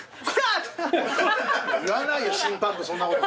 言わないよ審判部そんなこと。